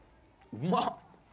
うまっ！